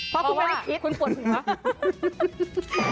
เพราะว่าคุณปวดหนูเหรอ